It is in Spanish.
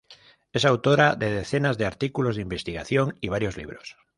Es autora de decenas de artículos de investigación y varios libros.